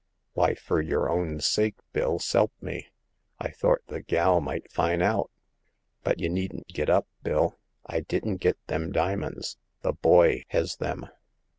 '* "Why, fur yer own sake. Bill, s'elp me. I thort the gal might fin' out. But y* needn't git up, Bill; I didn't git them dimins. The boy hes them."